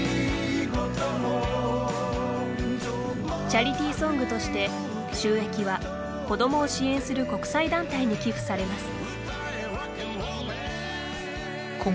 チャリティーソングとして収益は、子どもを支援する国際団体に寄付されます。